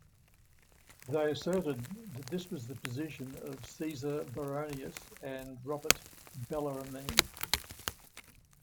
They asserted that this was the position of Caesar Baronius and Robert Bellarmine.